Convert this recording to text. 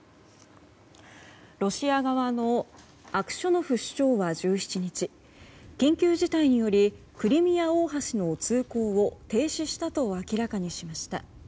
ロシア側のアクショノフ首長は１７日緊急事態によりクリミア大橋の通行を停止したと明らかにしました。